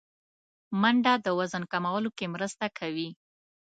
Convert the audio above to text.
منډه د وزن کمولو کې مرسته کوي